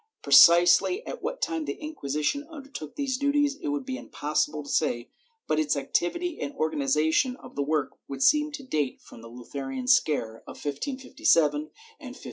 Precisely at what time the Inquisition undertook these duties it would be impossible to say, but its activity and organization of the work would seem to date from the Lutheran scare of 1557 and 1558.